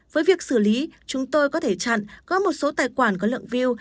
với việc xử lý chúng tôi có thể chặn có một số tài khoản có lượng view